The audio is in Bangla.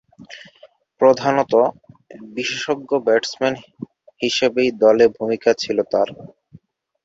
প্রধানতঃ বিশেষজ্ঞ ব্যাটসম্যান হিসেবেই দলে ভূমিকা ছিল তার।